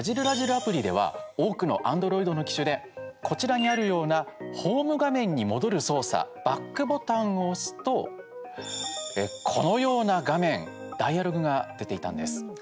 アプリでは多くのアンドロイドの機種でこちらにあるようなホーム画面に戻る操作バックボタンを押すとこのような画面ダイヤログが出ていたんです。